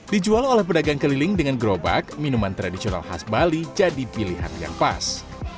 dijual oleh pedagang keliling dengan gerobak minuman tradisional khas bali jadi pilihan yang pas